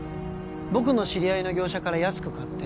僕の知り合いの業者から安く買って